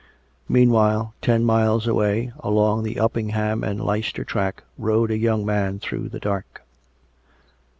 Meanwhile, ten miles away, along the Uppingham and Leicester track, rode a young man through the dark.